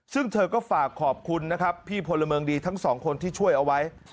ซึ่งเธอก็ฝากขอบคุณนะครับพี่พลเมืองดีทั้งสองคนที่ช่วยเอาไว้